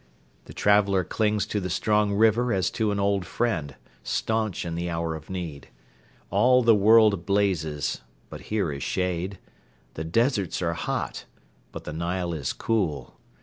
The traveller clings to the strong river as to an old friend, staunch in the hour of need. All the world blazes, but here is shade. The deserts are hot, but the Nile is cool.